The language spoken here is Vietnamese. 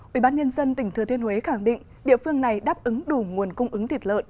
ubnd tỉnh thừa thiên huế khẳng định địa phương này đáp ứng đủ nguồn cung ứng thịt lợn